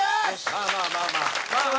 まあまあまあまあ。